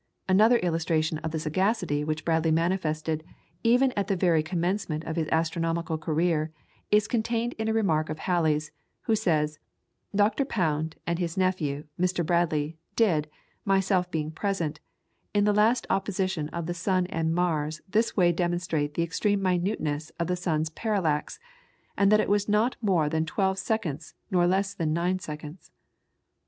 Another illustration of the sagacity which Bradley manifested, even at the very commencement of his astronomical career, is contained in a remark of Halley's, who says: "Dr. Pound and his nephew, Mr. Bradley, did, myself being present, in the last opposition of the sun and Mars this way demonstrate the extreme minuteness of the sun's parallax, and that it was not more than twelve seconds nor less than nine seconds."